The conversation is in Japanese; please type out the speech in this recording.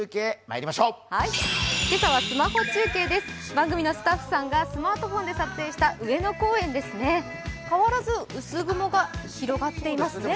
番組のスタッフさんがスマートフォンで撮影した上野公園ですね、変わらず薄雲が広がっていますね。